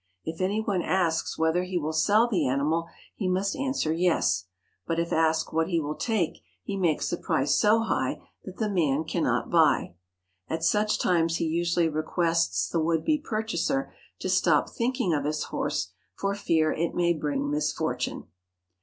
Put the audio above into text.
If any one asks whether he will sell the animal he must answer yes, but if asked what he will take he makes the price so high that the man cannot buy. At such times he usually requests the would be purchaser to stop think ing of his horse for fear it may bring misfortune.